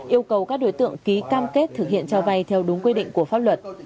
yêu cầu các đối tượng ký cam kết thực hiện cho vay theo đúng quy định của pháp luật